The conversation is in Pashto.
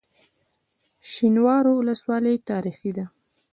شینوارو ولسوالۍ تاریخي ده؟